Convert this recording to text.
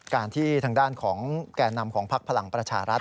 กรณีนี้ทางด้านของประธานกรกฎาได้ออกมาพูดแล้ว